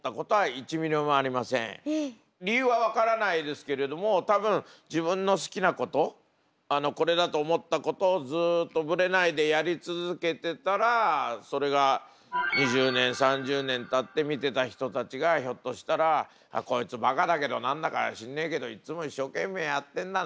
理由は分からないですけれども多分自分の好きなことこれだと思ったことをずっとぶれないでやり続けてたらそれが２０年３０年たって見てた人たちがひょっとしたら「こいつバカだけど何だか知んねえけどいつも一生懸命やってんだな。